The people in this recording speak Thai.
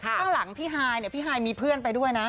ข้างหลังพี่ฮายเนี่ยพี่ฮายมีเพื่อนไปด้วยนะ